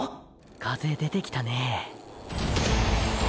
風でてきたね。